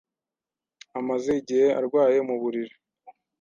Amaze igihe arwaye mu buriri.